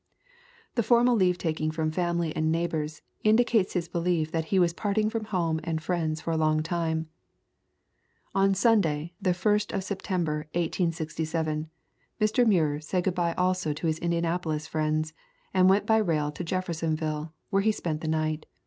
The formal leave taking from family and neighbors indicates his belief that he was part ing from home and friends for a long time. On Sunday, the 1st of September, 1867, Mr. Muir said good bye also to his Indianapolis friends, and went by rail to Jeffersonville, where he spent the night.